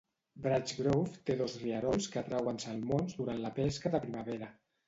Brights Grove té dos rierols que atrauen salmons durant la pesca de primavera.